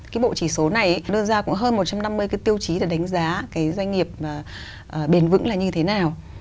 cái bộ chỉ số này đưa ra cũng hơn một trăm năm mươi cái tiêu chí để đánh giá cái doanh nghiệp bền vững là như thế nào